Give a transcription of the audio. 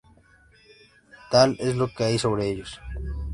Tal es lo que hay sobre ellos.